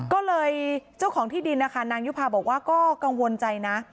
ก็เลยเจ้าของที่ดินนะคะนางยุภาบอกว่าก็กังวลใจนะ